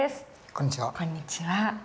こんにちは。